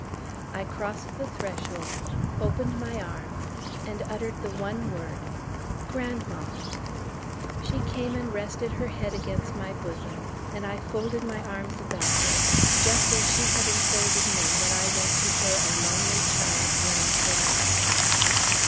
I crossed the threshold, opened my arms, and uttered the one word, "Grandma!" She came and rested her head against my bosom and I folded my arms about her just as she had enfolded me when I went to her a lonely child yearning for love.